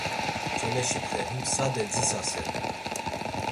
Çeleşipxe, him sade dzitsasert̆u.